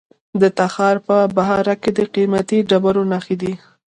د تخار په بهارک کې د قیمتي ډبرو نښې دي.